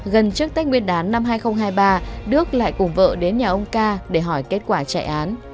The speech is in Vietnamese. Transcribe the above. gần trước tết nguyên đán năm hai nghìn hai mươi ba đức lại cùng vợ đến nhà ông ca để hỏi kết quả chạy án